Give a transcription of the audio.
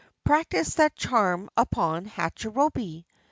Practice that charm upon Hachirobei."